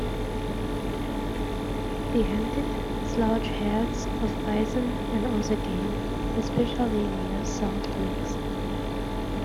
They hunted its large herds of bison and other game, especially near salt licks.